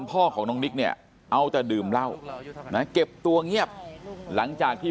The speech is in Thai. พ่อของน้องนิกเนี่ยเอาแต่ดื่มเหล้านะเก็บตัวเงียบหลังจากที่